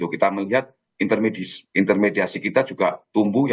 kita melihat intermediasi kita juga tumbuh